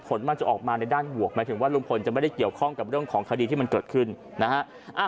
ผลมันจะออกมาในด้านบวกหมายถึงว่าลุงพลจะไม่ได้เกี่ยวข้องกับเรื่องของคดีที่มันเกิดขึ้นนะฮะ